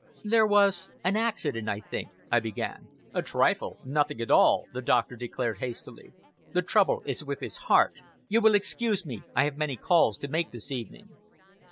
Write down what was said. "There was an accident, I think," I began. "A trifle! Nothing at all," the doctor declared hastily. "The trouble is with his heart. You will excuse me! I have many calls to make this evening."